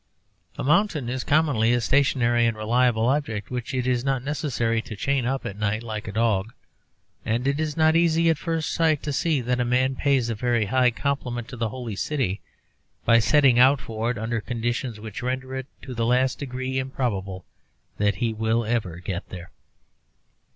A mountain is commonly a stationary and reliable object which it is not necessary to chain up at night like a dog. And it is not easy at first sight to see that a man pays a very high compliment to the Holy City by setting out for it under conditions which render it to the last degree improbable that he will ever get there.